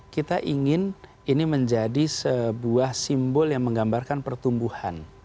kita ingin ini menjadi sebuah simbol yang menggambarkan pertumbuhan